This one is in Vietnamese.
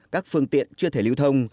các phương tiện chưa thể lưu thông